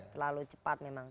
terlalu cepat memang